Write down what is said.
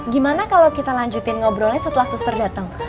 gimana kalau kita lanjutin ngobrolnya setelah suster datang